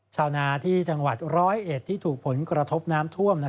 ชาวนาที่จังหวัดร้อยเอ็ดที่ถูกผลกระทบน้ำท่วม